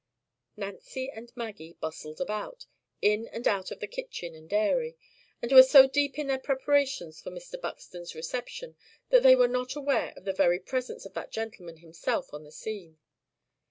Nancy and Maggie bustled about, in and out of the kitchen and dairy; and were so deep in their preparations for Mr. Buxton's reception that they were not aware of the very presence of that gentleman himself on the scene.